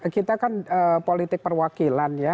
kita kan politik perwakilan